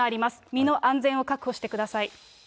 身の安全を確保してください。